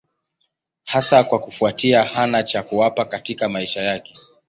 Hasa kwa kufuatia hana cha kuwapa katika maisha yake.